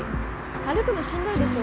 歩くのしんどいでしょ。